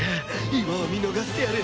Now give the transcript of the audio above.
今は見逃してやる！